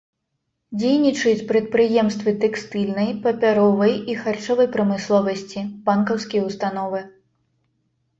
Дзейнічаюць прадпрыемствы тэкстыльнай, папяровай і харчовай прамысловасці, банкаўскія ўстановы.